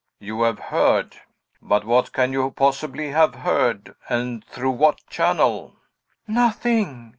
you have heard! But what can you possibly have heard, and through what channel?" "Nothing!"